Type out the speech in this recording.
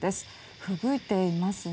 ふぶいていますね。